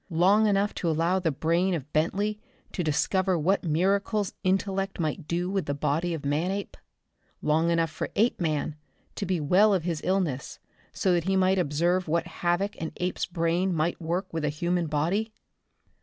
Long enough to allow the brain of Bentley to discover what miracles intellect might do with the body of Manape? Long enough for Apeman to be well of his illness, so that he might observe what havoc an ape's brain might work with a human body?